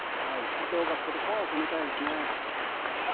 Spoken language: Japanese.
伊藤がここでフォアを攻めたいですね。